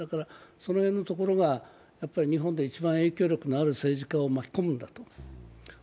その辺のところが日本で一番影響力を持つ政治家を巻き込むんだと。